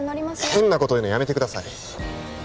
変なこと言うのやめてください！